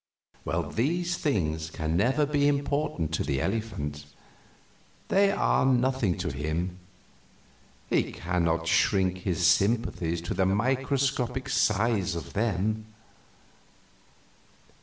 These things can never be important to the elephant; they are nothing to him; he cannot shrink his sympathies to the microscopic size of them.